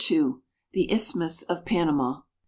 THE ISTHMUS OF PANAMA.